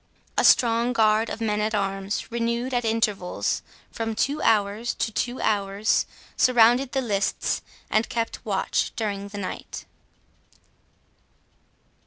A strong guard of men at arms, renewed at intervals, from two hours to two hours, surrounded the lists, and kept watch during the night.